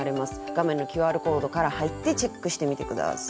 画面のＱＲコードから入ってチェックしてみて下さい。